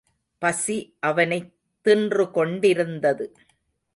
பசி அவனைத் தின்று கொண்டிருந்தது.